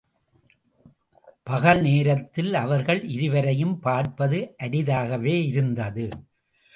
பகல் நேரத்திலே அவர்கள் இருவரையும் பார்ப்பது அரிதாகவே இருந்தது.